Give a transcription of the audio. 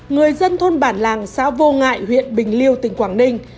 người dân thôn bản làng xã vô ngại huyện bình liêu tỉnh quảng ninh